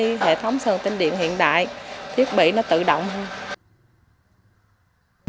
cái hệ thống sơn tính điện hiện đại thiết bị nó tự động hơn